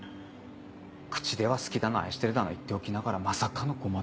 口では好きだの愛してるだの言っておきながらまさかの五股。